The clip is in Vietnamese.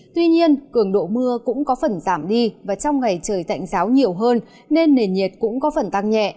tuy nhiên cường độ mưa cũng có phần giảm đi và trong ngày trời tạnh giáo nhiều hơn nên nền nhiệt cũng có phần tăng nhẹ